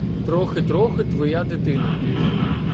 Трохи-трохи твоя дитина